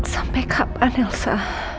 sampai kapan elsa